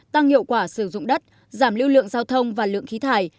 tăng hiệu quả sử dụng đất giảm lưu lượng giao thông và lượng khí thải